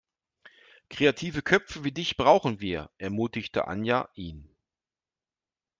Kreative Köpfe wie dich brauchen wir, ermutigte Anja ihn.